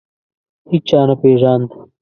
هیچا نه پېژاند.